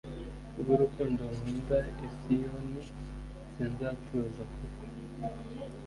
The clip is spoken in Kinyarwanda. Ku bw urukundo nkunda i Siyoni sinzatuza kuko